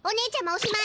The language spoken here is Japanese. おしまい！